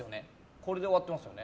これで終わってますよね。